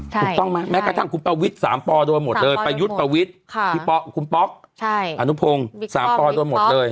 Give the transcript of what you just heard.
ถูกต้องไหมแม้กระทั่งคุณประวิทย์๓ปอโดนหมดเลยประยุทธ์ประวิทย์คุณป๊อกอนุพงศ์๓ปอโดนหมดเลย